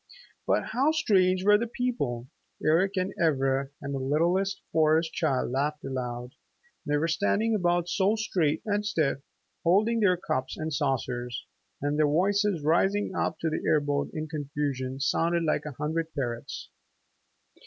But how strange were the people! Eric and Ivra and the littlest Forest Child laughed aloud. They were standing about so straight and stiff, holding their cups and saucers, and their voices rising up to the air boat in confusion sounded like a hundred parrots.